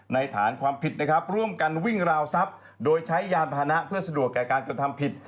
ฐานความผิดนะครับร่วมกันวิ่งราวทรัพย์โดยใช้ยานพานะเพื่อสะดวกแก่การกระทำผิด